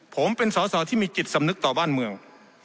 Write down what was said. ผมเป็นสอสอที่มีจิตสำนึกต่อบ้านเมือง